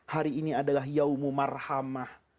hari ini adalah yaumu marhamah